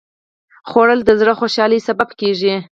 خوړل د زړه خوشالي سبب کېږي